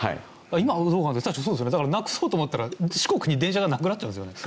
今はどうかそうですねだからなくそうと思ったら四国に電車がなくなっちゃうんですよね。